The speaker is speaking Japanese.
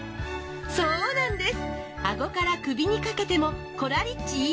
そうなんです。